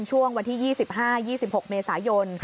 ช่วงวันที่๒๕๒๖เมษายน